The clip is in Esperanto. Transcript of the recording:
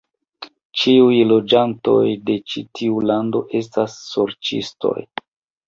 Ĉiuj loĝantoj de ĉi tiu lando estas sorĉistoj.